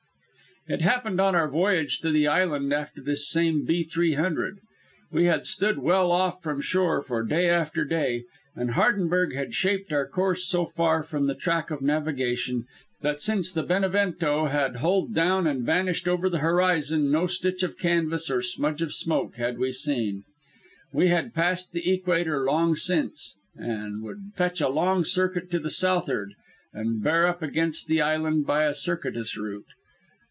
It happened on our voyage to the island after this same B. 300. We had stood well off from shore for day after day, and Hardenberg had shaped our course so far from the track of navigation that since the Benevento had hulled down and vanished over the horizon no stitch of canvas nor smudge of smoke had we seen. We had passed the equator long since, and would fetch a long circuit to the southard, and bear up against the island by a circuitous route.